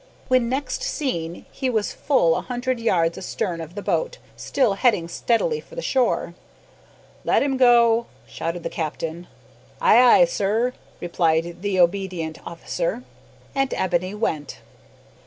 When next seen he was full a hundred yards astern of the boat, still heading steadily for the shore. "Let him go!" shouted the captain. "Ay, ay, sir," replied the obedient officer. And Ebony went!